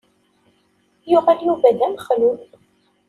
Yuɣal Yuba d amexlul.